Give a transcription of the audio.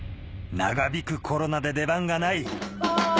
「長引くコロナで出番がない！」